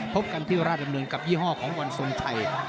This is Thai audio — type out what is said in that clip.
พบกันที่ราชดำเนินกับยี่ห้อของวันทรงชัย